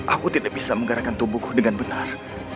aku tidak bisa menggarakan tubuhku dengan benar